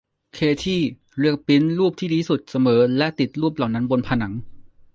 เคธี่เลือกปริ้นท์รูปที่ดีที่สุดเสมอและติดรูปเหล่านั้นบนผนัง